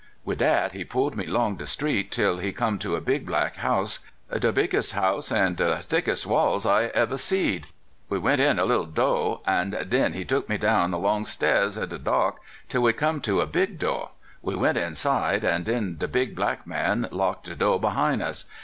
Wid dat, he pulled me 'long de street till he come to a big black house, de biggest house an' de thickest walls I ever seed. We went in a little 248 CALIFORNIA SKETCHES. do', an' den he took me down a long sta'rs in de dark, till we come to a big do' ; we went inside, an' den de big black man locked de do' behin" us.